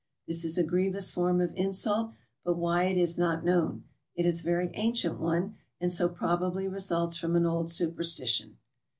This is a grievous form of insult, but why it is not known; it is a very ancient one, and so probably results from an old superstition.